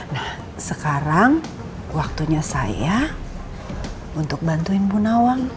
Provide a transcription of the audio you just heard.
nah sekarang waktunya saya untuk bantuin bu nawang